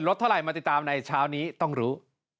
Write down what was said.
เท่าไหร่มาติดตามในเช้านี้ต้องรู้